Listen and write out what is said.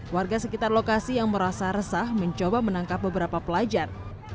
warga sekitar lokasi yang merasa resah mencoba menangkap beberapa pelajar